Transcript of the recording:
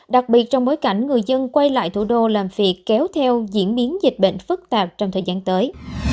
đặc biệt trong bối cảnh người dân quay lại thủ đô làm việc kéo theo diễn biến dịch bệnh phức tạp trong thời gian tới